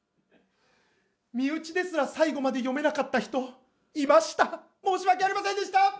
身内ですら最後まで読めなかった人、いました、申し訳ありませんでした！